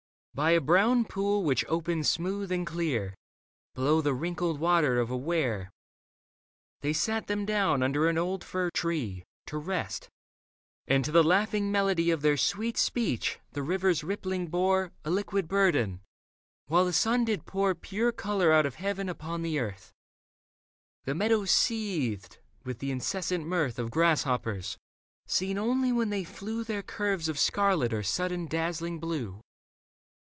By a brown pool which opened smooth and clear Below the wrinkled water of a weir They sat them down under an old fir tree To rest : and to the laughing melody Of their sweet speech the river's rippling bore A liquid burden, while the sun did pour Pure colour out of heaven upon the earth. The meadows seethed with the incessant mirth Of grasshoppers, seen only when they flew Their curves of scarlet or sudden dazzling blue.